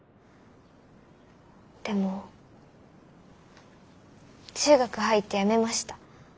でも中学入ってやめました。